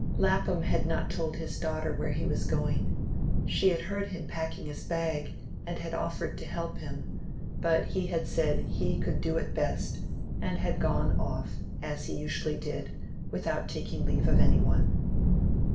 Lapham had not told his daughter where he was going; she had heard him packing his bag, and had offered to help him; but he had said he could do it best, and had gone off, as he usually did, without taking leave of any one.